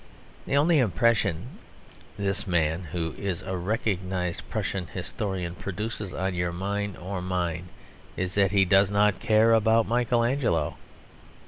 The only impression this man (who is a recognised Prussian historian) produces on your mind or mine is that he does not care about Michael Angelo.